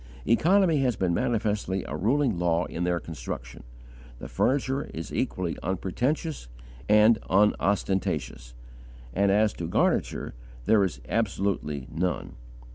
Economy has been manifestly a ruling law in their construction; the furniture is equally unpretentious and unostentatious; and, as to garniture, there is absolutely none.